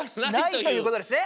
ないということですね。